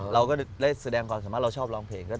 เราก็ได้แสดงความสามารถเราชอบร้องเพลง